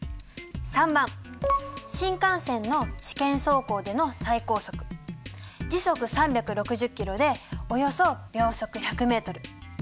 ③番新幹線の試験走行での最高速時速３６０キロでおよそ秒速１００ｍ。